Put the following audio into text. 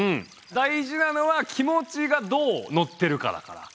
大事なのは気持ちがどうのってるかだから。